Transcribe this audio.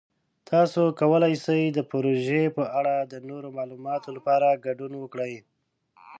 تاسو کولی شئ د پروژې په اړه د نورو معلوماتو لپاره ګډون وکړئ.